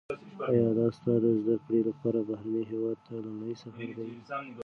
ایا دا ستا د زده کړو لپاره بهرني هیواد ته لومړنی سفر دی؟